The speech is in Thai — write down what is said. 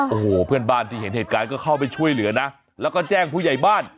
โอ้โหเพื่อนบ้านที่เห็นเหตุการณ์ก็เข้าไปช่วยเหลือนะแล้วก็แจ้งผู้ใหญ่บ้าน